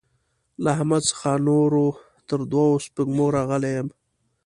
له احمد څخه نور تر دوو سپږمو راغلی يم.